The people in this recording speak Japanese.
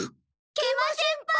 食満先輩！